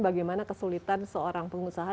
bagaimana kesulitan seorang pengusaha